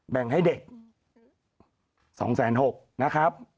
แบ่งให้เด็ก๒๖๐๐นะครับ